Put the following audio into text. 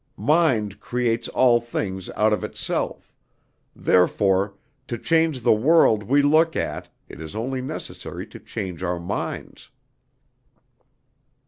Mind creates all things out of itself; therefore, to change the world we look at, it is only necessary to change our minds."